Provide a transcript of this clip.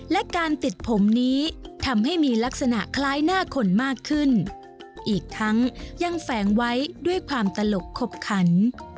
และการติดผมนี้ทำให้มีลักษณะคล้ายหน้าคนมากขึ้นอีกทั้งยังแฝงไว้ด้วยความตลกขบขัน